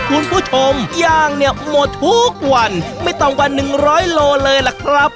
คุณผู้ชมย่างเนี่ยหมดทุกวันไม่ต่ำกว่าหนึ่งร้อยโลเลยล่ะครับ